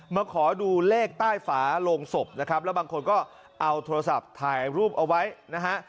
มาขอดูเลขใต้ฝาโลงศพนะครับแล้วบางคนก็เอาโทรศัพท์ถ่ายรูปเอาไว้นะฮะ